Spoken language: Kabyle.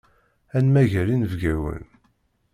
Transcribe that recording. Ad nemmager inebgawen.